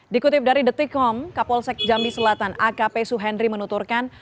dikutip dari the ticom kapolsek jambi selatan akp suhenri menuturkan